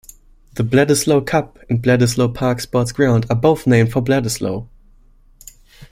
The Bledisloe Cup and Bledisloe Park sports ground are both named for Bledisloe.